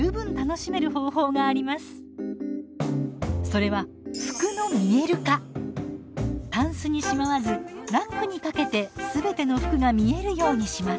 それはタンスにしまわずラックに掛けてすべての服が見えるようにします。